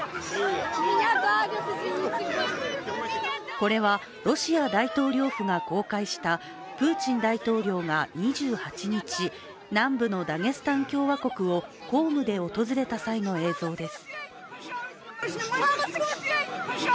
これはロシア大統領府が公開した、プーチン大統領が２８日、南部のダゲスタン共和国を公務で訪れた際の映像です。